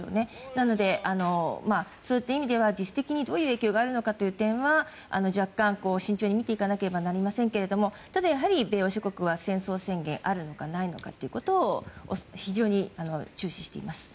なので、そういった意味では実質的にどういった影響があるのかという点は若干、慎重に見ていかなければいけませんがただやはり米欧諸国は戦争宣言があるのかないのかというところを非常に注視しています。